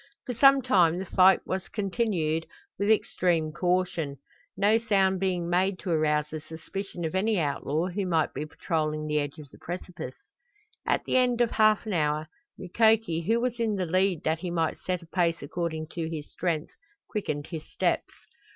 For some time the flight was continued with extreme caution, no sound being made to arouse the suspicion of any outlaw who might be patrolling the edge of the precipice. At the end of half an hour Mukoki, who was in the lead that he might set a pace according to his strength, quickened his steps.